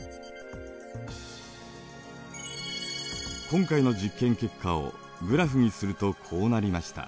今回の実験結果をグラフにするとこうなりました。